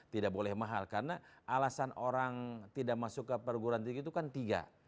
tidak boleh mahal karena alasan orang tidak masuk ke perguruan tinggi itu kan tiga